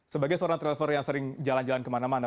sebagai seorang traveler yang sering jalan jalan ke mana mana